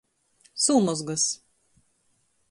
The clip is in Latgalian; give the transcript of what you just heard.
Sūmozgys.